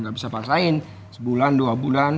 nggak bisa paksain sebulan dua bulan